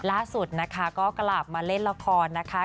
ล่าสุดนะคะก็กลับมาเล่นละครนะคะ